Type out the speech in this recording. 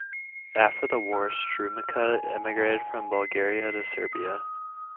After the war, Strumica emigrated from Bulgaria to Serbia.